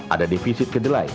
ada defisit kedelai